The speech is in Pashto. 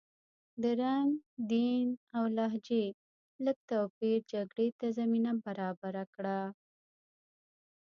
د رنګ، دین او لهجې لږ توپیر جګړې ته زمینه برابره کړه.